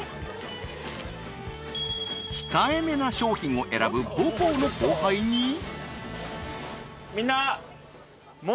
［控えめな商品を選ぶ母校の後輩に］